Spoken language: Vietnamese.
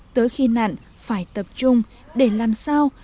tới khi nặn phải tập trung để làm sao